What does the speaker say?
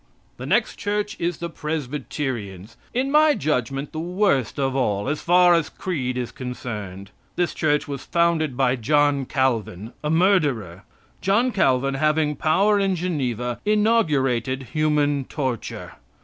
The next church is the Presbyterians in my judgment the worst of all, as far as creed is concerned. This Church was founded by John Calvin, a murderer! John Calvin, having power in Geneva, inaugurated human torture.